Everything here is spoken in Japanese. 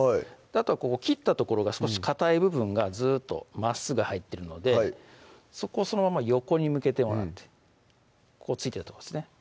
あとは切った所が少しかたい部分がずっとまっすぐ入ってるのでそこそのまま横に向けてもらってこう付いてるとこですね